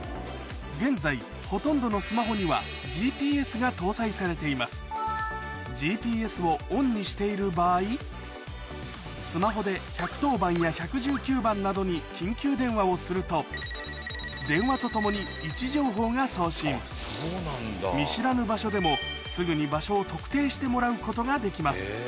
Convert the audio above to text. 現在ほとんどのスマホにはＧＰＳが搭載されていますＧＰＳをオンにしている場合スマホで１１０番や１１９番などに緊急電話をすると電話とともに位置情報が送信見知らぬ場所でもすぐに場所を特定してもらうことができます